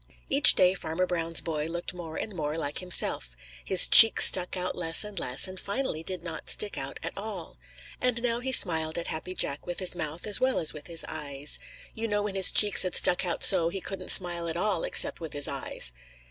Each day Farmer Brown's boy looked more and more like himself. His cheeks stuck out less and less, and finally did not stick out at all. And now he smiled at Happy Jack with his mouth as well as with his eyes. You know when his cheeks had stuck out so, he couldn't smile at all except with his eyes.